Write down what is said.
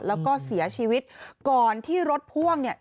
แล้วก็เสียชีวิตก่อนที่รถพ่วงเนี่ย